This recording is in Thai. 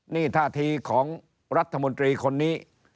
นี่ท่าทีของรัฐมนตรีคนนี้